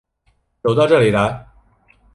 走到这里来